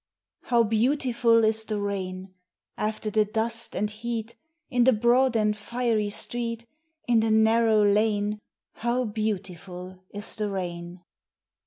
How beautiful is the rain ! After the dust and heat, In the broad and fiery street, In the narrow lane, How beautiful is the rain